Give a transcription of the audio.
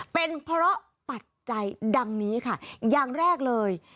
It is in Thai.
เป็นเพราะปัจจัยดังนี้ค่ะอย่างแรกเลย